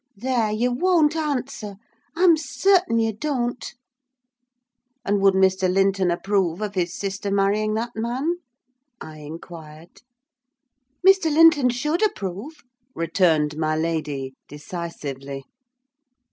There, you won't answer. I'm certain you don't." "And would Mr. Linton approve of his sister marrying that man?" I inquired. "Mr. Linton should approve," returned my lady, decisively.